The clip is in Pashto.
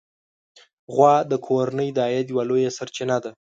غوا د کورنۍ د عاید یوه لویه سرچینه ده.